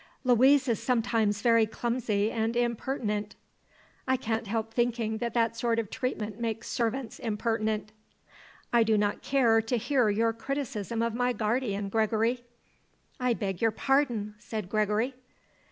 "Louise is sometimes very clumsy and impertinent." "I can't help thinking that that sort of treatment makes servants impertinent." "I do not care to hear your criticism of my guardian, Gregory." "I beg your pardon," said Gregory.